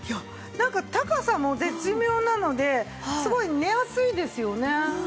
なんか高さも絶妙なのですごい寝やすいですよね。